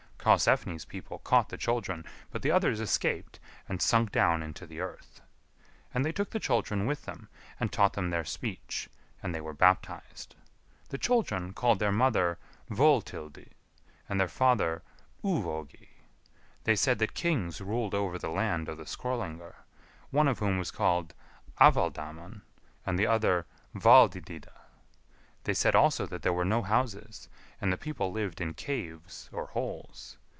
Karlsefni's people caught the children, but the others escaped and sunk down into the earth. And they took the children with them, and taught them their speech, and they were baptized. The children called their mother Vœtilldi, and their father Uvœgi. They said that kings ruled over the land of the Skrœlingar, one of whom was called Avalldamon, and the other Valldidida. They said also that there were no houses, and the people lived in caves or holes.